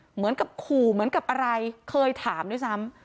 เหมือนกับขู่เหมือนกับอะไรเคยถามด้วยซ้ำ